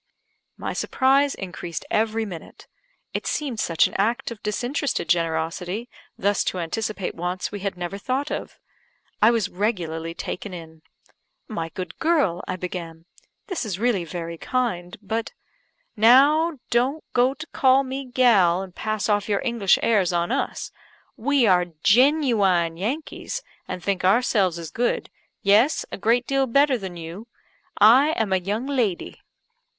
My surprise increased every minute. It seemed such an act of disinterested generosity thus to anticipate wants we had never thought of. I was regularly taken in. "My good girl," I began, "this is really very kind but " "Now, don't go to call me 'gall' and pass off your English airs on us. We are genuine Yankees, and think ourselves as good yes, a great deal better than you. I am a young lady."